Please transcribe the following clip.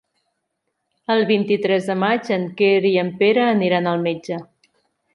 El vint-i-tres de maig en Quer i en Pere aniran al metge.